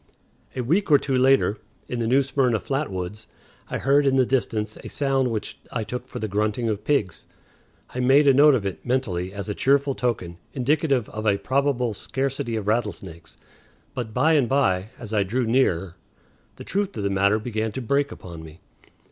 A week or two later, in the New Smyrna flat woods, I heard in the distance a sound which I took for the grunting of pigs. I made a note of it, mentally, as a cheerful token, indicative of a probable scarcity of rattlesnakes; but by and by, as I drew nearer, the truth of the matter began to break upon me.